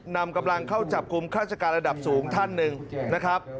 นำกำลังเข้าจับกลุ่มราชการระดับสูงท่านหนึ่งนะครับ